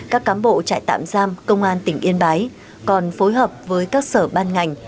các cám bộ trại tạm giam công an tỉnh yên bái còn phối hợp với các sở ban ngành